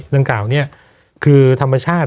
ดังกล่าวนี้คือธรรมชาติ